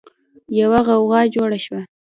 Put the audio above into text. يوه غوغا جوړه شوه.